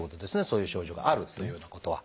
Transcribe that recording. そういう症状があるというふうなことは。